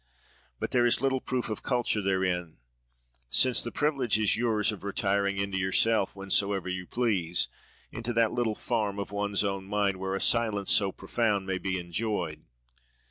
But there is little proof of culture therein; since the privilege is yours of retiring into yourself whensoever you please,—into that little farm of one's own mind, where a silence so profound may be enjoyed."